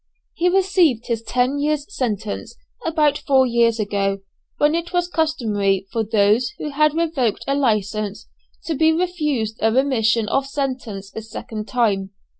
He received his ten years' sentence about four years ago, when it was customary for those who had revoked a licence to be refused a remission of sentence a second time.